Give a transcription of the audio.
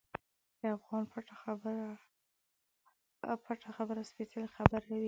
د افغان پټه خبره سپیڅلې خبره وي.